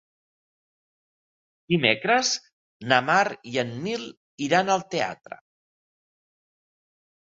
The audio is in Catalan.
Dimecres na Mar i en Nil iran al teatre.